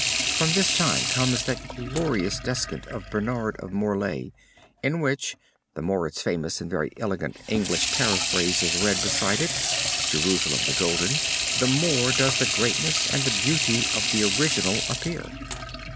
From this time comes that glorious descant of Bernard of Morlaix, in which, the more its famous and very elegant English paraphrase is read beside it (Jerusalem the Golden), the more does the greatness and the beauty of the original appear.